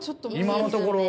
今のところ。